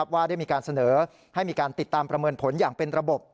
ว่าได้มีการเสนอให้มีการติดตามประเมินผลอย่างเป็นระบบ